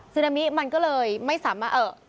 ซึ่งดังนี้มันก็เลยไม่สามารถ